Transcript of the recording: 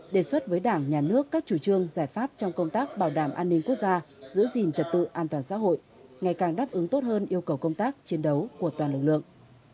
đề xuất với đảng nhà nước các chủ trương giải pháp trong công tác bảo đảm an ninh quốc gia giữ gìn trật tự an toàn xã hội ngày càng đáp ứng tốt hơn yêu cầu công tác chiến đấu của toàn lực lượng